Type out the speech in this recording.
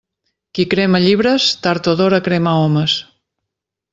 Qui crema llibres, tard o d'hora crema homes.